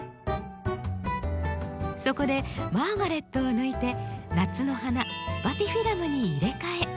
そこでマーガレットを抜いて夏の花「スパティフィラム」に入れ替え。